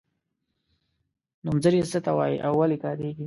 نومځري څه ته وايي او ولې کاریږي.